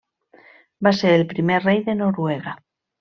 Va ser el primer rei de Noruega.